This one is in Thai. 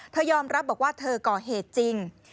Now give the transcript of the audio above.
ยอมรับบอกว่าเธอก่อเหตุจริง